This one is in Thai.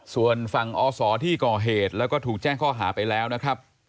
ส่วนฝั่งอศที่ก่อเหตุแล้วก็ถูกแจ้งข้อหาไปแล้วนะครับ